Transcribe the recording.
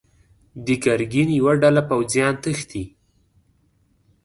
د ګرګين يوه ډله پوځيان تښتي.